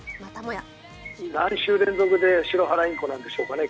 何週連続でシロハラインコなんでしょうかね